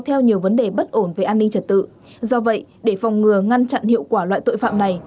theo nhiều vấn đề bất ổn về an ninh trật tự do vậy để phòng ngừa ngăn chặn hiệu quả loại tội phạm này